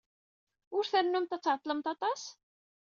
Ad ternumt ad tɛeḍḍlemt aṭas?